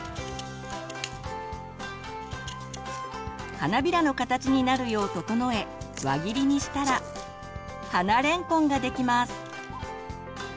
花びらの形になるよう整え輪切りにしたら「花れんこん」ができます。